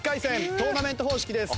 トーナメント方式です。